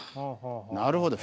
なるほど。